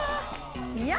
いや！